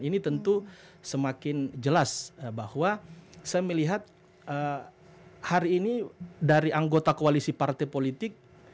ini tentu semakin jelas bahwa saya melihat hari ini dari anggota koalisi partai politik